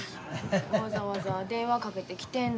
わざわざ電話かけてきてるのに。